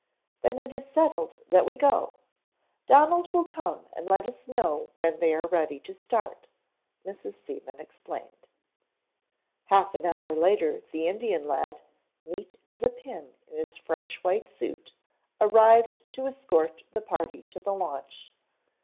"Then it is settled that we go. Donald will come and let us know when they are ready to start," Mrs. Seaman explained. Half an hour later the Indian lad, neat as a pin in his fresh white suit, arrived to escort the party to the launch.